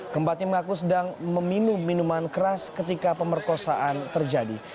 kempatnya mengaku sedang meminum minuman keras ketika pemerkosaan terjadi